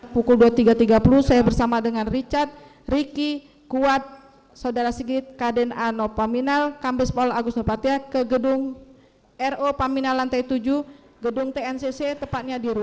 pukul dua puluh tiga tiga puluh saya bersama dengan richard ricky kuat saudara sigit kaden ano paminal kambes pol agus nopatya ke gedung ro paminal lantai tujuh gedung tncc tepatnya di ru